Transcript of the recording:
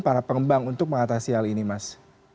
para pengembang untuk mengatasi hal ini mas